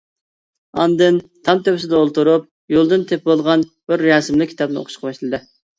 ئاندىن تام تۆپىسىدە ئولتۇرۇپ يولدىن تېپىۋالغان بىر رەسىملىك كىتابنى ئوقۇشقا باشلىدى.